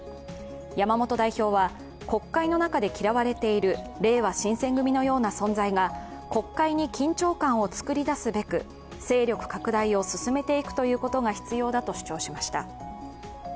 山本代表は国会の中で着られているれいわ新選組のような存在が国会に緊張感をつくり出すべく、勢力拡大を進めていくことが必要だとしました。